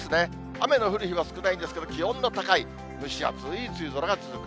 雨の降る日は少ないんですけど、気温の高い蒸し暑い梅雨空が続く。